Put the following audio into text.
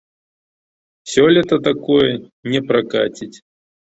Сёлета такое не пракаціць.